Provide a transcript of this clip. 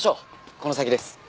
この先です。